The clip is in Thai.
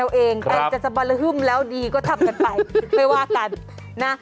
ใครจะสะบรฮึ่มแล้วดีก็ทำกันไปไม่ว่ากันนะ